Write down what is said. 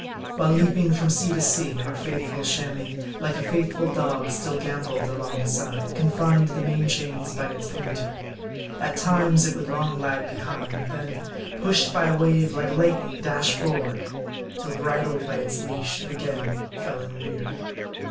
While leaping from sea to sea, our faithful Chamois, like a faithful dog, still gamboled alongside, confined to the main chains by its paint er. At times, it would long lag behind ; then, pushed by a wave like lightning dash forward ; till bridled by its leash, it again fell in rear.